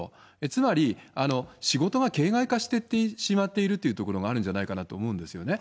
つまり、仕事が形骸化してしまっているというところがあるんじゃないかなと思うんですよね。